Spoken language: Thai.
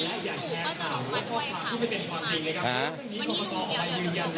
อันนี้จะต้องจับเบอร์เพื่อที่จะแข่งกันแล้วคุณละครับ